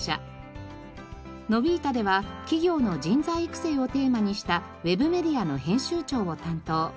ノヴィータでは企業の人材育成をテーマにしたウェブメディアの編集長を担当。